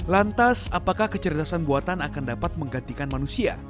lantas apakah kecerdasan buatan akan dapat menggantikan manusia